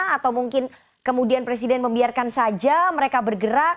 atau mungkin kemudian presiden membiarkan saja mereka bergerak